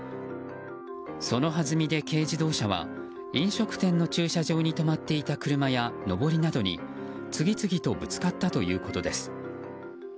そのはずみで、軽自動車は飲食店の駐車場に止まっていた車やのぼりなどに次々とぶつかったということです。